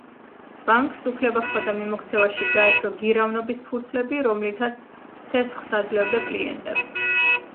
ბანკს უფლება ჰქონდა მიმოქცევაში გაეშვა გირავნობის ფურცლები, რომლითაც სესხს აძლევდა კლიენტებს.